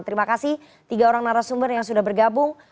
terima kasih tiga orang narasumber yang sudah bergabung